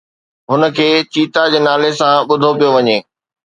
هن کي چيتا جي نالي سان ٻڌو پيو وڃي